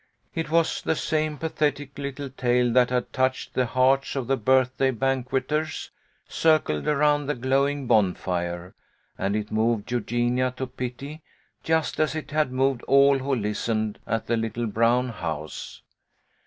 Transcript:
It was the same pathetic little tale that had touched the hearts of the birthday banqueters, cir cled around the glowing bonfire, and it moved Eugenia to pity, just as it had moved all who lis tened at the little brown house.